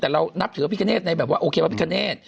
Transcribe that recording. แต่เรานับถือพระพิคเนธในแบบว่าโอเคพระพิคเนต